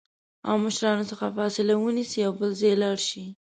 او مشرانو څخه فاصله ونیسي او بل ځای لاړ شي